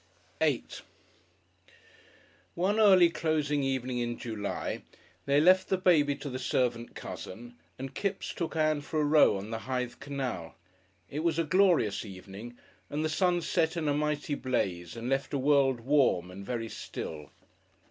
§8 One early closing evening in July they left the baby to the servant cousin, and Kipps took Ann for a row on the Hythe canal. It was a glorious evening, and the sun set in a mighty blaze and left a world warm, and very still.